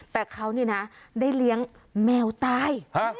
แต่เขานี่นะได้เลี้ยงแมวตาย